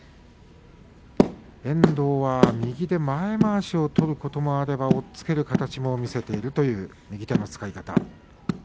遠藤は右で前まわしを取ることもあれば押っつける形も見せている右手の使い方。